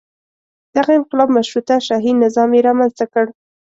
دغه انقلاب مشروطه شاهي نظام یې رامنځته کړ.